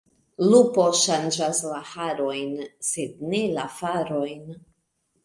Lupo ŝanĝas la harojn, sed ne la farojn.